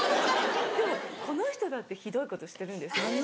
でもこの人だってひどいことしてるんですよ。